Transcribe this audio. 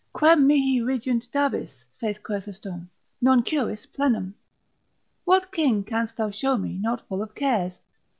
Quem mihi regent dabis (saith Chrysostom) non curis plenum? What king canst thou show me, not full of cares?